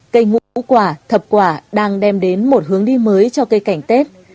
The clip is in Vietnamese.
cây ngũ quả thập quả đang đem đến một hướng đi mới cho cây cảnh tết